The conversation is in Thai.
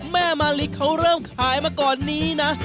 แม่มาริเขาเริ่มขายมาก่อนนี้นะ